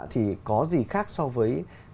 thì có gì khác so với